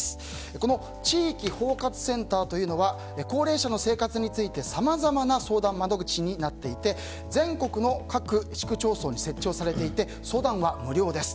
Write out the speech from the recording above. この地域包括センターというのは高齢者の生活についてさまざまな相談窓口になっていて全国の各市区町村に設置をされていて相談は無料です。